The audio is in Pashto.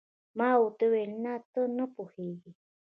ما ورته وویل: نه، ته نه پوهېږې.